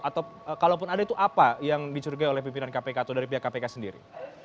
atau kalaupun ada itu apa yang dicurigai oleh pimpinan kpk atau dari pihak kpk sendiri